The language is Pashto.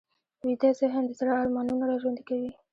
ویده ذهن د زړه ارمانونه راژوندي کوي